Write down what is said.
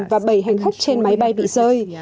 và bảy hành khách trên đoàn